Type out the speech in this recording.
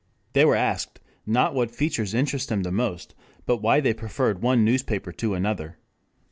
They were asked, not what features interested them most, but why they preferred one newspaper to another.